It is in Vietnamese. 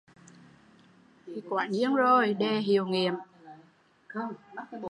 Thì quả nhiên đề hiệu nghiệm